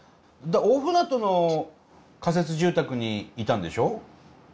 大船渡の仮設住宅にいたんでしょう？